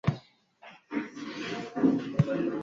abatwa bo mu bugoyi bamufataga